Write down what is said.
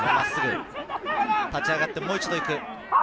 立ち上がって、もう一度行く。